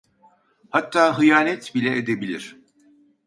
Hatta hıyanet bile edebilir…